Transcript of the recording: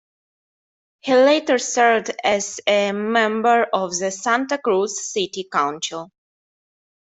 He later served as a member of the Santa Cruz City Council.